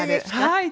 はい。